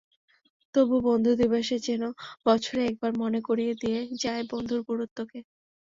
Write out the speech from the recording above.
তবু বন্ধু দিবস যেন বছরে একবার মনে করিয়ে দিয়ে যায় বন্ধুর গুরুত্বকে।